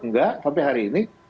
nggak sampai hari ini